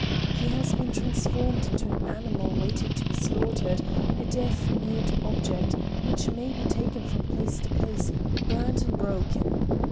He has been transformed into an animal waiting to be slaughtered, a deaf mute object which may be taken from place to place, burnt and broken.